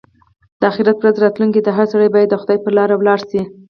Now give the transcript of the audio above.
د اخيرت ورځ راتلونکې ده؛ هر سړی باید د خدای پر لاره ولاړ شي.